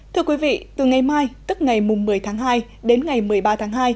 thưa quý vị từ ngày mai tức ngày một mươi tháng hai đến ngày một mươi ba tháng hai